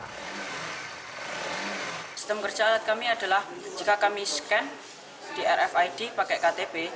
sistem kerja alat kami adalah jika kami scan di rfid pakai ktp